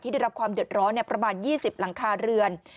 ได้รับความเดือดร้อนประมาณ๒๐หลังคาเรือน